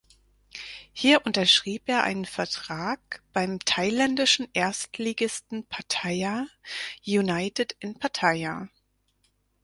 Hier unterschrieb er einen Vertrag beim thailändischen Erstligisten Pattaya United in Pattaya.